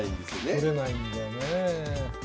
取れないんだよね。